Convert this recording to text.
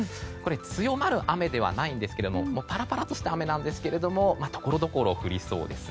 強まる雨ではなくパラパラとした雨ですがところどころ降りそうです。